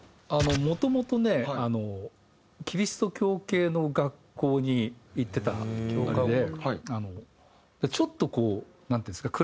もともとねあのキリスト教系の学校に行ってたあれでちょっとこうなんていうんですか。